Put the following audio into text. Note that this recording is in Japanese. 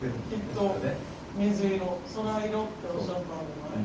きっと水色空色っておっしゃったんじゃない？